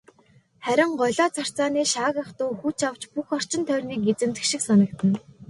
Харин голио царцааны шаагих дуу хүч авч бүх орчин тойрныг эзэмдэх шиг санагдана.